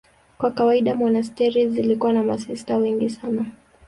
Kwa kawaida monasteri zilikuwa na masista wengi sana.